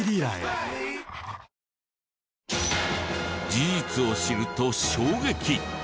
事実を知ると衝撃！